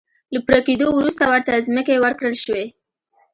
له پوره کېدو وروسته ورته ځمکې ورکړل شوې.